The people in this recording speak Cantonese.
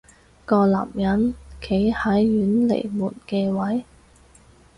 個男人企喺遠離門嘅位